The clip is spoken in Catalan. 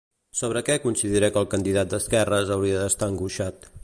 Sobre què considera que el candidat d'esquerres hauria d'estar angoixat?